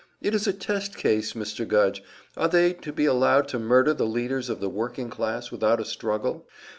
It is a test case, Mr. Gudge are they to be allowed to murder the leaders of the working class without a struggle?